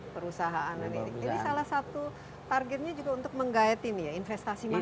perusahaan ini ini salah satu targetnya juga untuk menggayatin investasi masuk ya